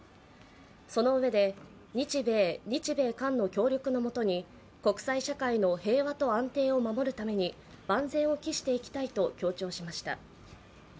そのうえで、日米、日米韓の協力のもとに国際社会の平和と安定を守るために万全を期していきたいと強調しました。